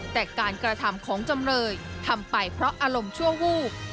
แต่การกระทำของจำเลยทำไปเพราะอารมณ์ชั่ววูบ